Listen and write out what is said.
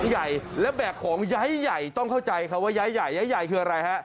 ใหญ่แล้วแบกของย้ายต้องเข้าใจค่ะว่าย้ายย้ายคืออะไรฮะ